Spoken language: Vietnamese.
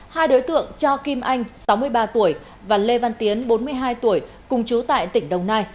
hai đối tượng cho kim anh sáu mươi ba tuổi và lê văn tiến bốn mươi hai tuổi cùng chú tại tỉnh đồng nai